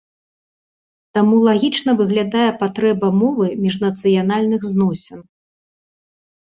Таму лагічна выглядае патрэба мовы міжнацыянальных зносін.